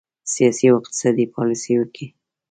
سیاسي او اقتصادي پالیسیو کې